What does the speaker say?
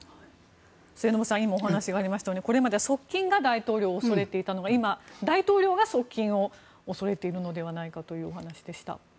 末延さん、今お話がありましたようにこれまで側近が大統領を恐れていたのが今、大統領が側近を恐れているのではないかというお話でした。